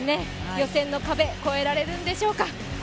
予選の壁、越えられるんでしょうか。